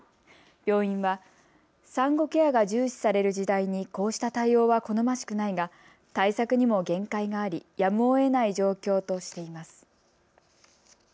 病院は産後ケアが重視される時代にこうした対応は好ましくないが対策にも限界があり、やむをえない状況としています。